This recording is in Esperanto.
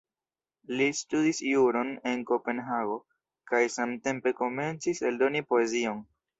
Li studis juron en Kopenhago, kaj samtempe komencis eldoni poezion.